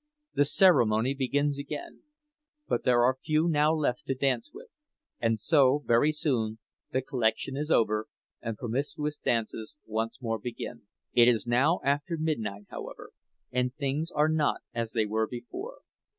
The ceremony begins again—but there are few now left to dance with, and so very soon the collection is over and promiscuous dances once more begin. It is now after midnight, however, and things are not as they were before.